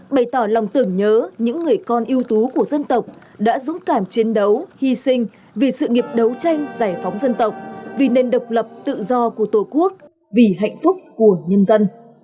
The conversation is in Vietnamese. bày tỏ lòng tưởng nhớ những người con yêu tú của dân tộc đã dũng cảm chiến đấu hy sinh vì sự nghiệp đấu tranh giải phóng dân tộc vì nền độc lập tự do của tổ quốc vì hạnh phúc của nhân dân